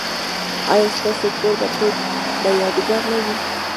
ایا ستاسو کوربه توب به یادګار نه وي؟